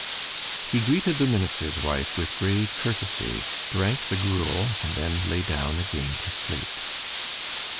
He greeted the minister's wife with grave courtesy, drank the gruel, and then lay down again to sleep.